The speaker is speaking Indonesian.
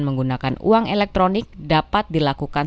menggunakan uang elektronik dapat dilakukan